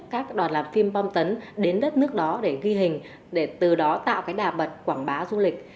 các đoàn làm phim bom tấn đến đất nước đó để ghi hình để từ đó tạo cái đà bật quảng bá du lịch